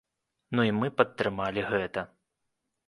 Ну і мы падтрымалі гэта.